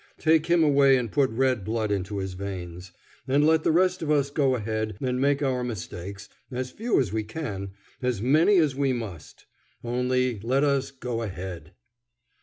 Take him away and put red blood into his veins. And let the rest of us go ahead and make our mistakes as few as we can, as many as we must; only let us go ahead.